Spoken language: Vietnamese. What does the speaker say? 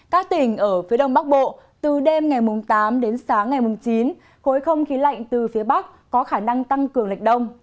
các tỉnh ở phía đông bắc bộ từ đêm ngày tám đến sáng ngày chín khối không khí lạnh từ phía bắc có khả năng tăng cường lệch đông